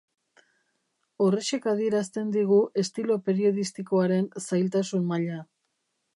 Horrexek adierazten digu estilo periodistikoaren zailtasun-maila.